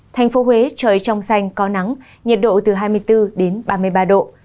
thành phố huế trời trong xanh có nắng nhiệt độ từ hai mươi bốn đến ba mươi ba độ